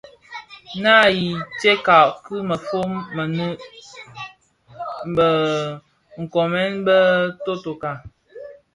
Naa yi stëňkas dhi mëfon mënin bë nkoomèn bō totoka.